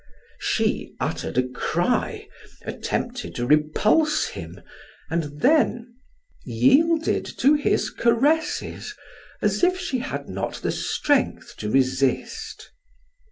She uttered a cry, attempted to repulse him and then yielded to his caresses as if she had not the strength to resist.